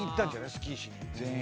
スキーしに。